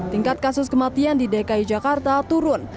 tingkat kasus kematian di dki jakarta turun